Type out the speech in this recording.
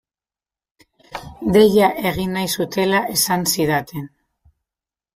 Deia egin nahi zutela esan zidaten.